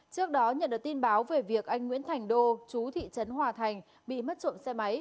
trước đó nhận được tin báo về việc anh nguyễn thành đô chú thị trấn hòa thành bị mất trộm xe máy